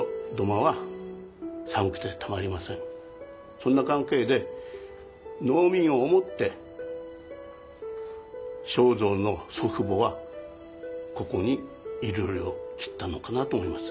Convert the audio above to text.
そんな関係で農民を思って正造の祖父母はここにいろりを切ったのかなと思います。